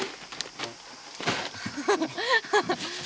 ハハハハ！